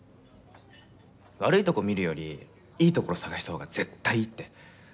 悪いところを見るよりいいところを探したほうが絶対いいって。